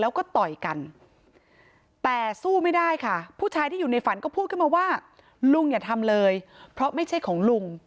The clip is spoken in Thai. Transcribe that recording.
แล้วก็ต่อยกันแต่สู้ไม่ได้ค่ะผู้ชายที่อยู่ในฝันก็พูดขึ้นมาว่าลุงอย่าทำเลยเพราะไม่ใช่ของลุง